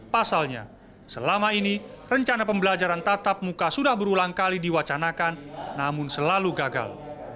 pasalnya selama ini rencana pembelajaran tatap muka sudah berulang kali diwacanakan namun selalu gagal